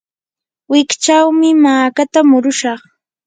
wikchawmi makata murushaq.